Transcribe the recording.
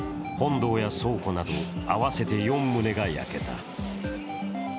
本堂や倉庫など合わせて４棟が焼けた。